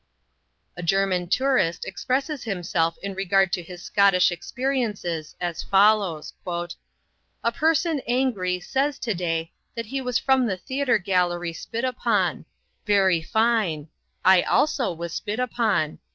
A German tourist expresses himself in regard to his Scottish experiences as follows: "A person angry says to day that he was from the theatre gallary spit upon. Very fine. I also was spit upon.